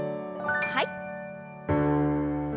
はい。